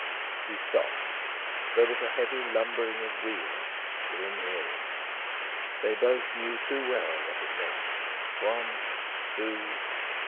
He stopped. There was a heavy lumbering of wheels within hearing. They both knew too well what it meant. One. Two.